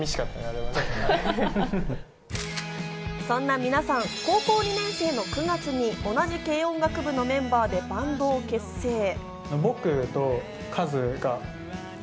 そんな皆さん、高校２年生の９月に同じ軽音楽部のメンバーでバンドを結成。